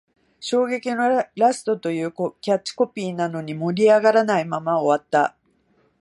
衝撃のラストというキャッチコピーなのに、盛り上がらないまま終わった